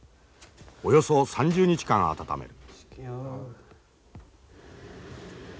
およそ３０日間温める。